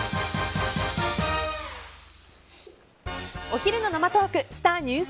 お昼の生トークスター☆